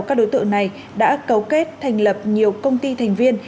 các đối tượng này đã cấu kết thành lập nhiều công ty thành viên